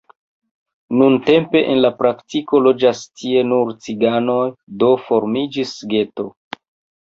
Nuntempe en la praktiko loĝas tie nur ciganoj, do formiĝis geto.